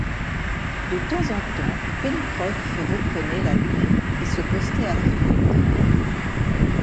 De temps en temps, Pencroff reprenait la lunette et se postait à la fenêtre.